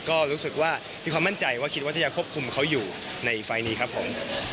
ก็รู้สึกว่ามีความมั่นใจว่าคิดว่าจะควบคุมเขาอยู่ในไฟล์นี้ครับผม